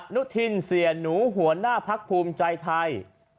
นุทินเสียหนูหัวหน้าพักภูมิใจไทย